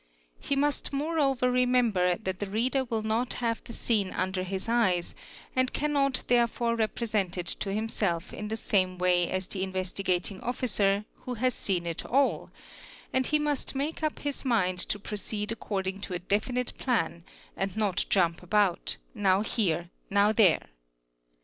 He must moreover remember that the reader will not have the scene under his eyes and cannot therefore re present it to himself in the same way as the Investigating Officer who _ has seen it all; and he must make up his mind to proceed according to ; 'a definite plan and not jump about, now here, now there.